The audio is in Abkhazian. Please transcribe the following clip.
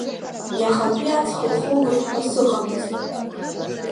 Иахатәи аҵх лхылгоит ҳәа сыҟамызт.